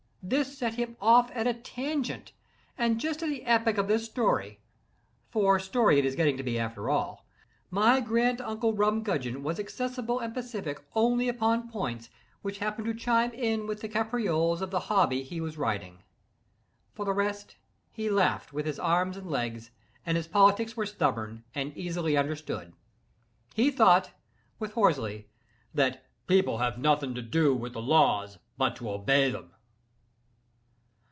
This set him off at a tangent; and just at the epoch of this story—for story it is getting to be after all—my grand uncle Rumgudgeon was accessible and pacific only upon points which happened to chime in with the caprioles of the hobby he was riding. For the rest, he laughed with his arms and legs, and his politics were stubborn and easily understood. He thought, with Horsley, that "the people have nothing to do with the laws but to obey them."